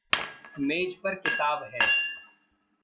मेज़ पर किताब है।